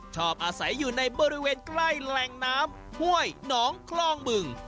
ชอบอาศัยอยู่ในบริเวณใกล้แหล่งน้ำห้วยหนองคลองบึง